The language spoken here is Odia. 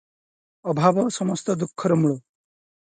ଅଭାବ ସମସ୍ତ ଦୁଃଖର ମୂଳ ।